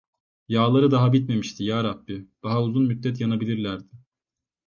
Yağları daha bitmemişti yarabbi, daha uzun müddet yanabilirlerdi.